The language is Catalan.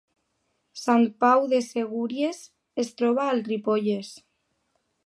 Sant Pau de Segúries es troba al Ripollès